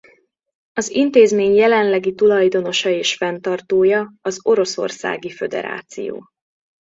Az intézmény jelenlegi tulajdonosa és fenntartója az Oroszországi Föderáció.